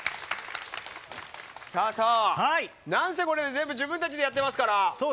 なんせ、これ全部自分たちでやってますから。